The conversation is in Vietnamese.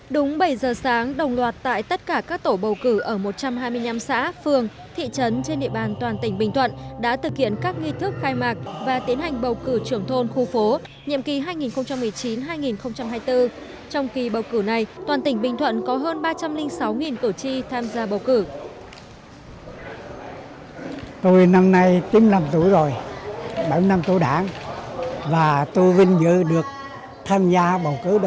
đúng bảy giờ sáng đồng loạt tại tất cả các tổ bầu cử ở một trăm hai mươi năm xã phường thị trấn trên địa bàn toàn tỉnh bình thuận đã thực hiện các nghi thức khai mạc và tiến hành bầu cử trưởng thôn khu phố nhiệm kỳ hai nghìn một mươi chín hai nghìn hai mươi bốn trong kỳ bầu cử này toàn tỉnh bình thuận có hơn ba trăm linh sáu cử tri tham gia bầu cử